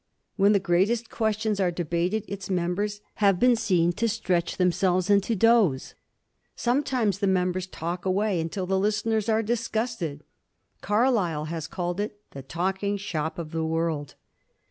When the greatest questions are debated its members have been seen to stretch themselves and to dose. Sometimes the members talk away until the listeners are disgusted. Carlyle has called it the "talking shop of the world."